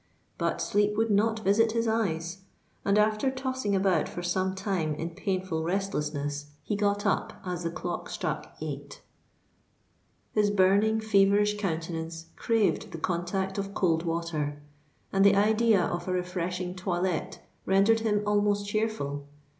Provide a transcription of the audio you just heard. But sleep would not visit his eyes; and, after tossing about for some time in painful restlessness, he got up as the clock struck eight. His burning, feverish countenance craved the contact of cold water; and the idea of a refreshing toilette rendered him almost cheerful.